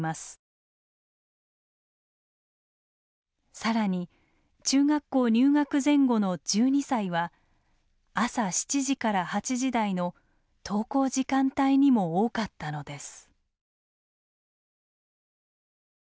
更に中学校入学前後の１２歳は朝７時から８時台の登校時間帯にも多かったのです。